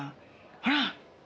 ほら。